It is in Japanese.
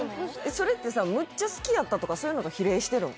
それってさむっちゃ好きやったとかそういうのが比例してるん？